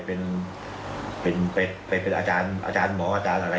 เพราะอะไรอย่างนั้นเพราะอะไรตั้งใจ